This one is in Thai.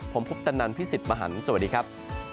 ผมคุปตนันพี่สิทธิ์มหันฯสวัสดีครับ